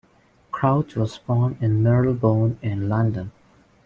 Crouch was born in Marylebone in London.